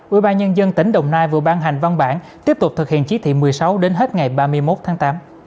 ubnd tỉnh đồng nai vừa ban hành văn bản tiếp tục thực hiện chỉ thị một mươi sáu đến hết ngày ba mươi một tháng tám